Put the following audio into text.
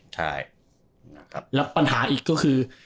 และปัญหาอีกก็คือ